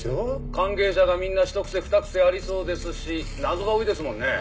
関係者がみんなひと癖ふた癖ありそうですし謎が多いですもんね。